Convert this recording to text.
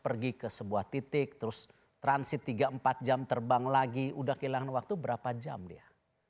pergi ke sebuah titik terus transit tiga empat jam terbang lagi udah kehilangan waktu berapa jam dia